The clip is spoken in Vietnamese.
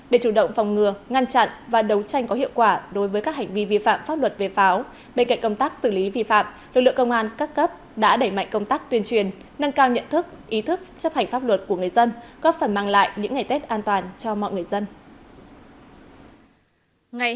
để chủ động phòng ngừa ngăn chặn và đấu tranh có hiệu quả đối với các hành vi vi phạm pháp luật về pháo bên cạnh công tác xử lý vi phạm lực lượng công an các cấp đã đẩy mạnh công tác tuyên truyền nâng cao nhận thức ý thức chấp hành pháp luật của người dân góp phần mang lại những ngày tết an toàn cho mọi người dân